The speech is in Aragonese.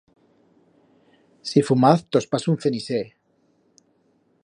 Si fumaz tos paso un ceniser.